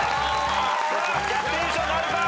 逆転優勝なるか？